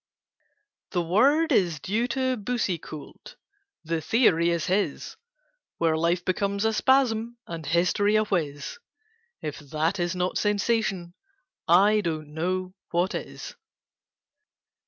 "The word is due to Boucicault— The theory is his, Where Life becomes a Spasm, And History a Whiz: If that is not Sensation, I don't know what it is.